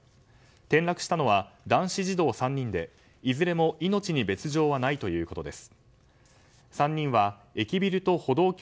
転落したのは男子児童３人でいずれも命に別条はないということです。